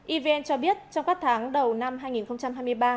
evn cho biết trong các tháng đầu năm hai nghìn hai mươi ba